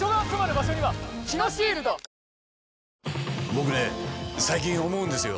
僕ね最近思うんですよ。